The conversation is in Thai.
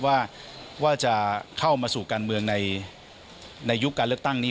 ว่าจะเข้ามาสู่การเมืองในยุคการเลือกตั้งนี้